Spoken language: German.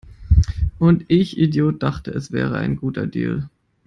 Und ich Idiot dachte, es wäre ein guter Deal!